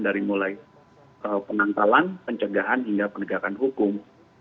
dari mulai penantalan pencegahan hingga penegakan hukum